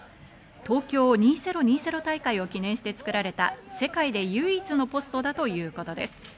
東京２０２０大会を記念して作られた世界で唯一のポストだということです。